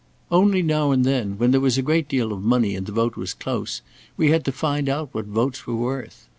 Only now and then, when there was a great deal of money and the vote was close, we had to find out what votes were worth.